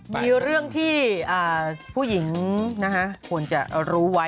มีเรื่องที่ผู้หญิงควรจะรู้ไว้